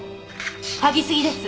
嗅ぎすぎです！